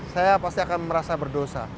saya pasti akan merasa berdosa